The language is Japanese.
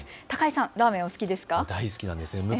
高井さん、ラーメンお好きですか？